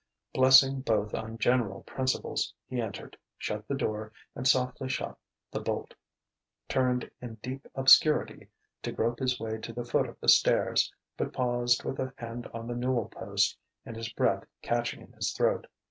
Blessing both on general principles, he entered, shut the door and softly shot the bolt; turned in deep obscurity to grope his way to the foot of the stairs; but paused with a hand on the newel post and his breath catching in his throat.